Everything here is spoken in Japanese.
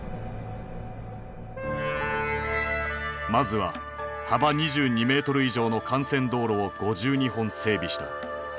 まずは幅２２メートル以上の幹線道路を５２本整備した。